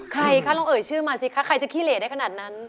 ใครคะลองเอ่ยชื่อมาสิคะใครจะขี้เหลได้ขนาดนั้น